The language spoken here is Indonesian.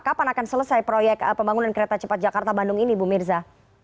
kapan akan selesai proyek pembangunan kereta cepat jakarta bandung ini bu mirza